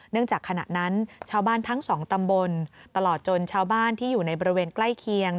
เนื่องจากขณะนั้นชาวบ้านทั้งสองตำบล